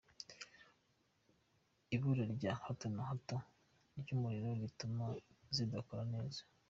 Ibura rya hato na hato ry’umuriro rituma zidakora neza.